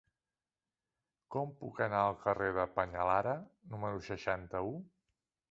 Com puc anar al carrer del Peñalara número seixanta-u?